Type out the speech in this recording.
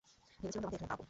ভেবেছিলাম তোমাকে এখানে পাব।